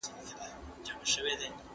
که خویندې ریسانې شي نو فساد به نه وي.